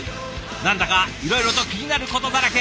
何だかいろいろと気になることだらけ。